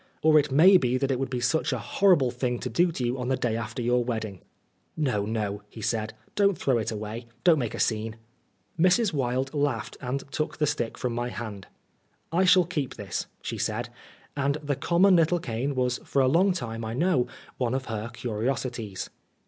Or it may be that it would be such a horrible thing to do to you on the day after your wedding." " No, no," he said, " don't throw it away. 93 Oscar Wilde Don't make a scene." Mrs. Wilde laughed and took the stick from my hand. " I shall keep this," she said ; and the common little cane was for a long time, I know, one of her curiosities.